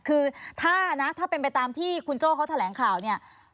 คือถ้านะถ้าเป็นไปตามที่คุณโจ้เขาแถลงข่าวเนี่ย